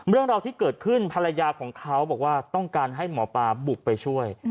เรื่องราวที่เกิดขึ้นภรรยาของเขาบอกว่าต้องการให้หมอปลาบุกไปช่วย